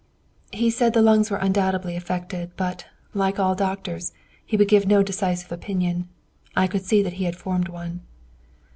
"He said the lungs were undoubtedly affected; but, like all doctors, he would give no decisive opinion. I could see that he had formed one."